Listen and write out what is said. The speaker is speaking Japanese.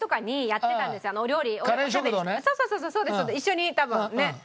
一緒に多分ねっ。